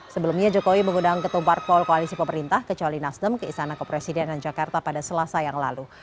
sebelumnya jokowi mengundang ketumpar pol koalisi pemerintah kecuali nasdem ke istana kepresidenan jakarta pada selasa yang lalu